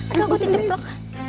aduh gue tipe blok